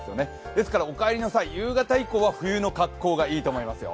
ですからお帰りの際、夕方以降は冬の格好がいいと思いますよ。